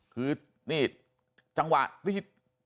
คือนี่จังหวะรีด